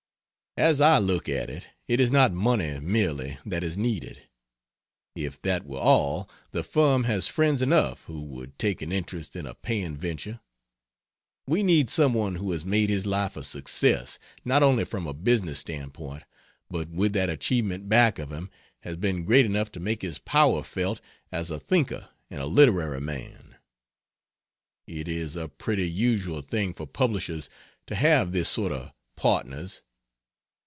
As I look at it, it is not money merely that is needed; if that were all, the firm has friends enough who would take an interest in a paying venture; we need some one who has made his life a success not only from a business standpoint, but with that achievement back of him, has been great enough to make his power felt as a thinker and a literary man. It is a pretty usual thing for publishers to have this sort of partners.